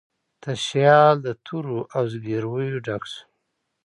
تشیال د تورو او زګیرویو ډک شو